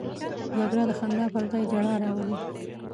جګړه د خندا پر ځای ژړا راولي